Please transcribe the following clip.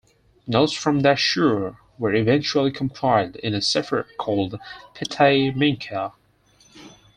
Notes from that "shiur" were eventually compiled in a "sefer" called "Pitei Mincha".